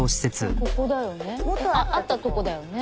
ここだよね。